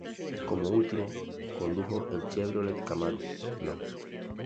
Como último condujo el Chevrolet Camaro No.